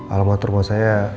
alamat rumah saya